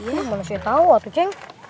ya mana sih tau atu ceng